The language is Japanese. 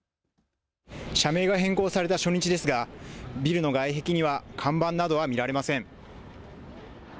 社名が変更された初日ですがビルの外壁には看板などは見られません。